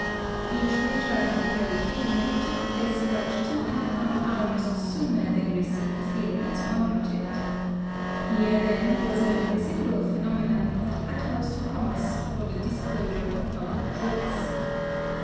Each return to perihelion took place about two and a half hours sooner than received theories warranted. Here, then, was a "residual phenomenon" of the utmost promise for the disclosure of novel truths.